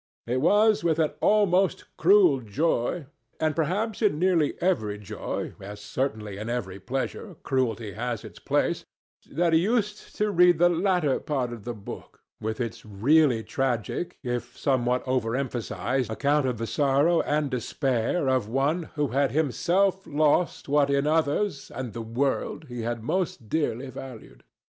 It was with an almost cruel joy—and perhaps in nearly every joy, as certainly in every pleasure, cruelty has its place—that he used to read the latter part of the book, with its really tragic, if somewhat overemphasized, account of the sorrow and despair of one who had himself lost what in others, and the world, he had most dearly valued.